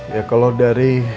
ya kalau dari